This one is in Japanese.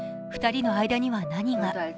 ２人の間には何が。